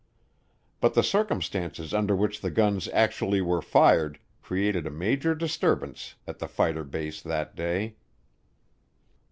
But the circumstances under which the guns actually were fired created a major disturbance at the fighter base that day.